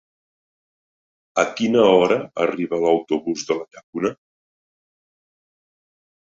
A quina hora arriba l'autobús de la Llacuna?